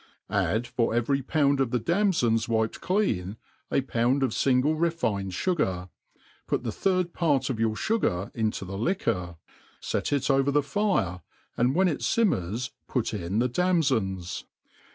Add for every pound of the damfons wiped clean, a pound of fingle refincd fugar, put the third part of your fu gar into the liquor, (et it over the fire, and when it fimmers, put in the damfons.